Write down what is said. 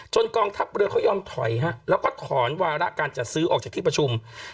กองทัพเรือเขายอมถอยแล้วก็ถอนวาระการจัดซื้อออกจากที่ประชุม